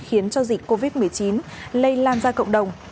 khiến cho dịch covid một mươi chín lây lan ra cộng đồng